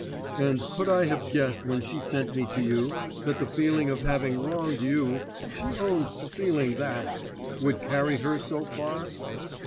And could I have guessed when she sent me to you that the feeling of having wronged you she owned to feeling that would carry her so far?